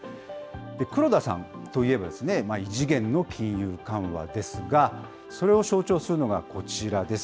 黒田さんといえば、異次元の金融緩和ですが、それを象徴するのがこちらです。